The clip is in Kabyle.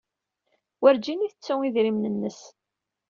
Werjin ittettu idrimen-nnes.